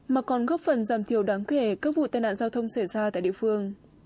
mà còn góp phần giảm thiểu đáng kể các vụ tai nạn giao thông xảy ra tại địa phương